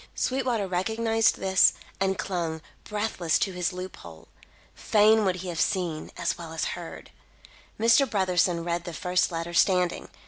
Sweetwater recognised this, and clung, breathless, to his loop hole. Fain would he have seen, as well as heard. Mr. Brotherson read the first letter, standing.